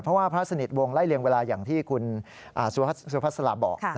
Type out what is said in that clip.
เพราะว่าพระสนิทวงศไล่เรียงเวลาอย่างที่คุณสุพัสลาบอก